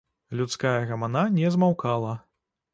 Людская гамана не змаўкала.